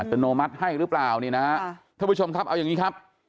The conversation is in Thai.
โนมัติให้หรือเปล่านี่นะฮะท่านผู้ชมครับเอาอย่างนี้ครับ